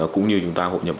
cũng như chúng ta hội nhập